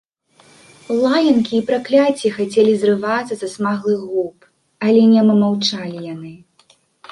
Лаянкі і пракляцці хацелі зрывацца са смаглых губ, але нема маўчалі яны.